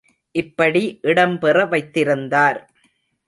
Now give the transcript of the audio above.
இப்படி இடம் பெற வைத்திருந்தார்!